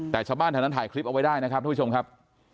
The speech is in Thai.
แต่ชาวบ้านแถวนั้นถ่ายคลิปเอาไว้ได้นะครับทุกผู้ชมครับ